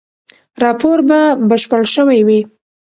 راپور به بشپړ شوی وي.